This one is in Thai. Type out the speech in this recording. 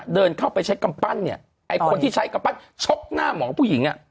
เดินเข้าไปใช้กำปั้นเนี่ยไอ้คนที่ใช้กำปั้นชกหน้าหมอผู้หญิงอ่ะ